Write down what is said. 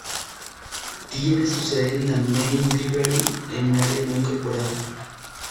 Tiene su sede en la Main Library en una área no incorporada.